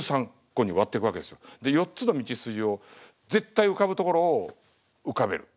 で４つの道筋を絶対浮かぶ所を浮かべる。